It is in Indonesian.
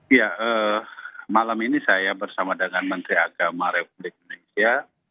ya malam ini saya bersama dengan menteri agama republik indonesia